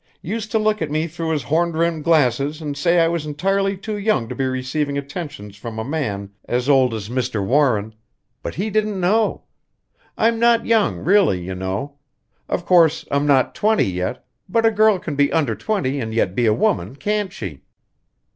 Used to look at me through his horn rimmed glasses and say I was entirely too young to be receiving attentions from a man as old as Mr. Warren; but he didn't know. I'm not young, really, you know. Of course, I'm not twenty yet, but a girl can be under twenty and yet be a woman, can't she?"